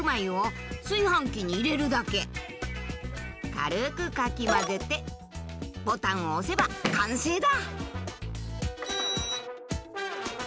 軽くかき混ぜてボタンを押せば完成だ。